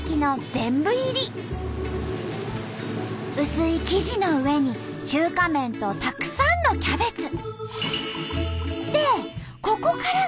薄い生地の上に中華麺とたくさんのキャベツ。